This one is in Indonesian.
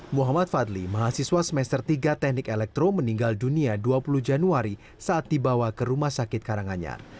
muhammad fadli mahasiswa semester tiga teknik elektro meninggal dunia dua puluh januari saat dibawa ke rumah sakit karanganyar